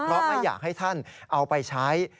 เพราะไม่อยากให้ท่านเอาไปใช้